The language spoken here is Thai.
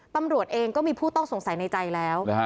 ตำรวจเองก็มีผู้ต้องสงสัยในใจแล้ว